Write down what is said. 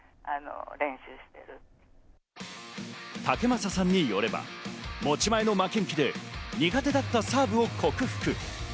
武正さんによれば、持ち前の負けん気で苦手だったサーブを克服。